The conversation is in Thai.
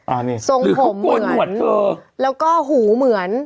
อ่านี่หรือเขาโกนหนวดเธอแล้วก็หูเหมือน